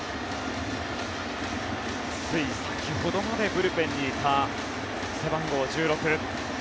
つい先ほどまでブルペンにいた背番号１６。